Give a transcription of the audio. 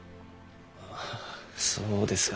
あぁそうですか。